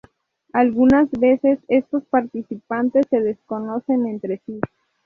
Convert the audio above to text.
Algunas veces, estos participantes se desconocen entre sí.